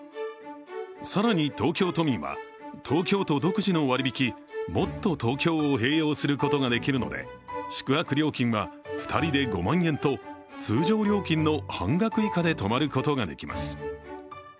更に、東京都民は東京都独自の割引もっとＴｏｋｙｏを併用することができるので、宿泊料金は２人で５万円と通常料金の半額以下で泊まることができます。